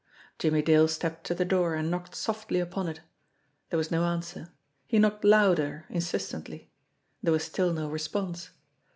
Jimmie Dale stepped to the door, and knocked softly upon it. There was no answer. He knocked louder, insistently. There was still no response.